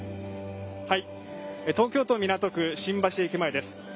東京都港区新橋駅前です。